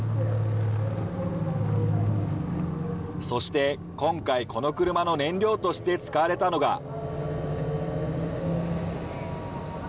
そして今回、この車の燃料として使われたのが。